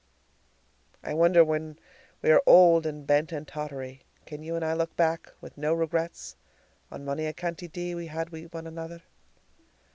I wonder, when we are old and bent and tottery, can you and I look back, with no regrets, on monie a canty day we've had wi' ane anither?